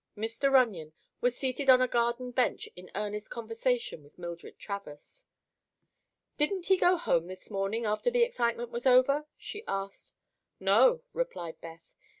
Mr. Runyon was seated on a garden bench in earnest conversation with Mildred Travers. "Didn't he go home this morning, after the excitement was over?" she asked. "No," replied Beth. "Mr.